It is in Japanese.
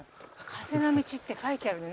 「風の道」って書いてあるね